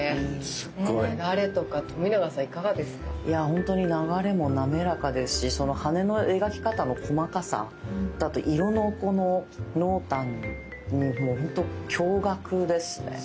ほんとに流れも滑らかですしその羽の描き方の細かさあと色のこの濃淡にほんと驚がくですね。